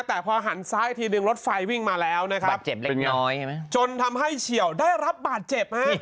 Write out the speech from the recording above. แต่พอหันซ้ายอีกทีหนึ่งรถไฟวิ่งมาแล้วนะครับบาดเจ็บเล็กน้อยใช่ไหมจนทำให้เฉียวได้รับบาดเจ็บฮะ